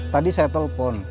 tadi saya telepon